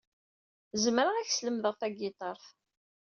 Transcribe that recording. Zemreɣ ad ak-slemdeɣ tagiṭart.